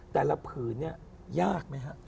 แต่ละพื้นยากไหมครับ